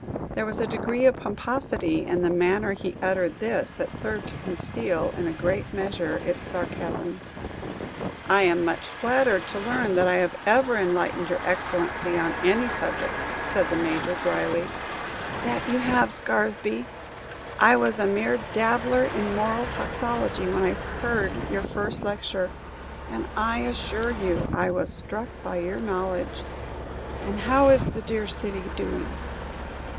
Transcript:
There was a degree of pomposity in the manner he uttered this that served to conceal in a great measure its sarcasm. "I am much flattered to learn that I have ever enlightened your Excellency on any subject," said the Major, dryly. "That you have, Scaresby. I was a mere dabbler in moral toxicology when I heard your first lecture, and, I assure you, I was struck by your knowledge. And how is the dear city doing?"